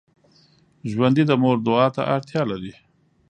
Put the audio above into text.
ژوندي د مور دعا ته اړتیا لري